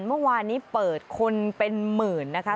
เมื่อวานนี้เปิดคนเป็นหมื่นนะคะ